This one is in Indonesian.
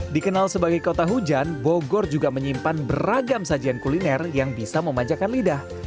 dikenal sebagai kota hujan bogor juga menyimpan beragam sajian kuliner yang bisa memanjakan lidah